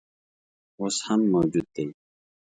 اوس هم موجود دی.